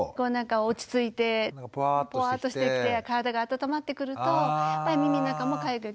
落ち着いてポワーンとしてきて体が温まってくるとやっぱり耳の中もかゆくなる。